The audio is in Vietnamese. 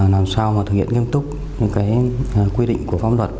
làm sao thực hiện nghiêm túc quy định của phóng luật